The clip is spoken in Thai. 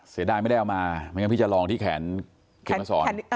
เสียดายไม่ได้เอามาไม่งั้นพี่จะลองที่แขนเขียนมาสอน